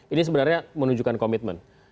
ini sebenarnya menunjukkan komitmen